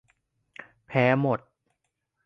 แพ้หมด